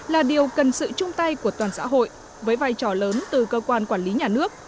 là điều cần sự chung tay của toàn xã hội với vai trò lớn từ cơ quan quản lý nhà nước